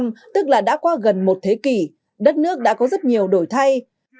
sau tám mươi năm tức là đã qua gần một thế kỷ đất nước đã có rất nhiều đổi thay